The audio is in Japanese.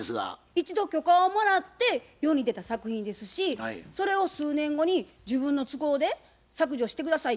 一度許可をもらって世に出た作品ですしそれを数年後に自分の都合で「削除して下さい」